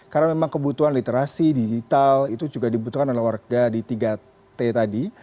karena memang kebutuhan literasi digital itu juga dibutuhkan oleh warga di tiga t tadi